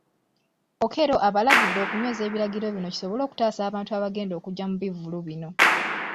Okello abalagidde okunyweza ebiragiro bino kisobole okutaasa abantu abagenda okujja mu bivvulu bino.